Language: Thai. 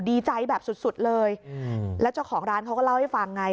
ดีใจแบบสุดสุดเลยแล้วเจ้าของร้านเขาก็เล่าให้ฟังไง